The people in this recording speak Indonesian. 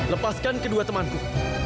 lepaskan kedua temanku